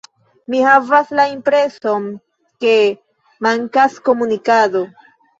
Mi havas la impreson ke mankas komunikado.